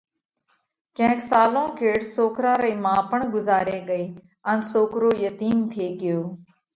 ڪينڪ سالون ڪيڙ سوڪرا رئِي مان پڻ ڳُزاري ڳئِي ان سوڪرو يتِيم ٿي ڳيو۔